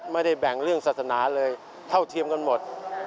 ไม่ได้แบ่งเรื่องศาสนาเลยเท่าเทียมกันหมด